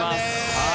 はい。